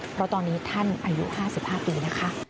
เพราะตอนนี้ท่านอายุ๕๕ปีนะคะ